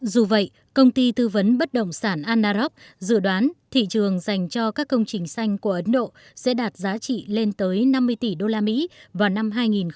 dù vậy công ty tư vấn bất động sản annarog dự đoán thị trường dành cho các công trình xanh của ấn độ sẽ đạt giá trị lên tới năm mươi tỷ usd vào năm hai nghìn hai mươi